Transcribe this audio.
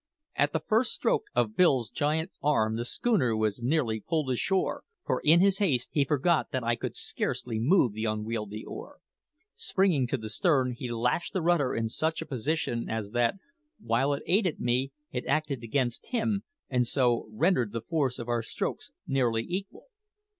At the first stroke of Bill's giant arm the schooner was nearly pulled ashore, for in his haste he forgot that I could scarcely move the unwieldy oar. Springing to the stern, he lashed the rudder in such a position as that, while it aided me, it acted against him, and so rendered the force of our strokes nearly equal.